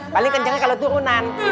paling kencengnya kalau turunan